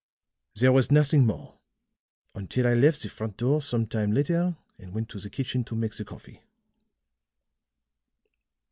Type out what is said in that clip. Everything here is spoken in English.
"There was nothing more, until I left the front door some time later and went to the kitchen to make the coffee.